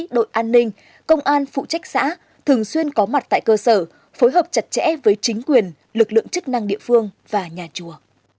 đội an ninh công an phụ trách xã thường xuyên có mặt tại cơ sở phối hợp chặt chẽ với chính quyền lực lượng chức năng địa phương và nhà chùa